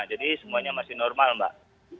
jadi semuanya masih normal mbak